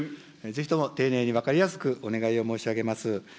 ぜひとも丁寧に分かりやすくお願いを申し上げます。